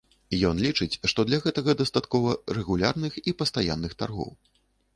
Ён лічыць, што для гэтага дастаткова рэгулярных і пастаянных таргоў.